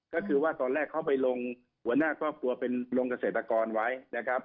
ก็คือว่าตอนแรกเขาไปลงหัวหน้าครอบครัวเป็นลงเกษตรกรไว้นะครับ